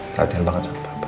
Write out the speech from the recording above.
perhatian banget sama papa